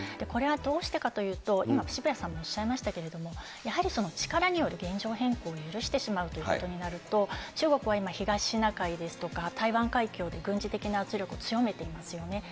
これはどうしてかというと、今、渋谷さんもおっしゃいましたけれども、やはりその力による現状変更を許してしまうということになると、中国は今、東シナ海ですとか、台湾海峡で軍事的な圧力を強めていますよね。